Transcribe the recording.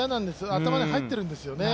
頭に入ってるんですよね。